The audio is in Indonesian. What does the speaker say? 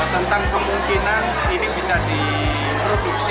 tentang kemungkinan ini bisa diproduksi